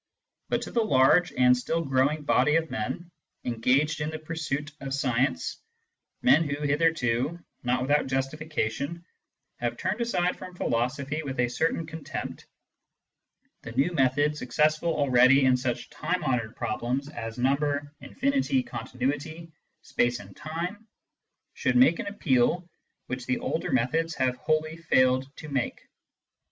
But to the large and still growing body of men engaged in the pursuit of science — men who hitherto, not without justification, have turned aside from philo sophy with a certain contempt — the new method, successful already in such time honoured problems as number, infinity, continuity, space and time, should make an appeal which the older methods have wholly failed to make.